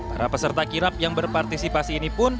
para peserta kirap yang berpartisipasi ini pun